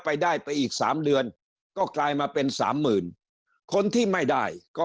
ไปได้ไปอีก๓เดือนก็กลายมาเป็น๓๐๐๐๐คนที่ไม่ได้ก็